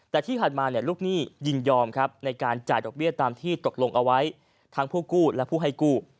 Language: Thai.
แต่ที่ผ่านมาลูกหนี้ยินยอมครับในการจ่ายดอกเบี้ยตามที่ตกลงเอาไว้ทั้งผู้กู้และผู้ให้กู้